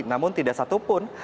namun tidak satupun